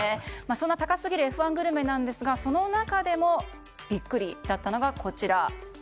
そんな高すぎるＦ１グルメなんですがその中でもビックリだったのが、こちら。